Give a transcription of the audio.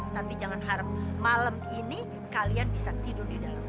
tapi jangan harap malam ini kalian bisa tidur di dalam